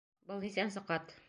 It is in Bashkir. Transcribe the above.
Был нисәнсе ҡат?